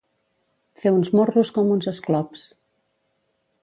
Fer uns morros com uns esclops.